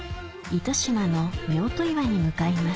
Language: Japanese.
糸島の夫婦岩に向かいます